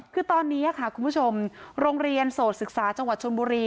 คือตอนนี้ค่ะคุณผู้ชมโรงเรียนโสดศึกษาจังหวัดชนบุรี